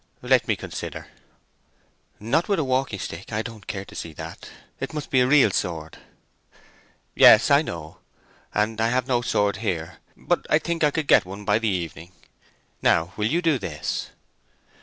"Let me consider." "Not with a walking stick—I don't care to see that. It must be a real sword." "Yes, I know; and I have no sword here; but I think I could get one by the evening. Now, will you do this?"